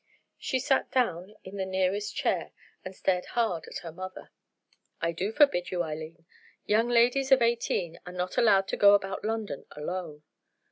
She sat down on the nearest chair and stared hard at her mother. "I do forbid you, Eileen. Young ladies of eighteen are not allowed to go about London alone."